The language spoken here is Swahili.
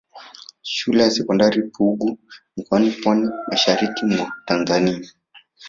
Shule ya sekondari Pugu mkoani Pwani mashariki mwa Tanzania